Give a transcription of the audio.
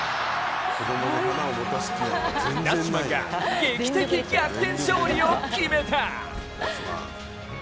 ダッシュマンが、劇的逆転勝利を決めた！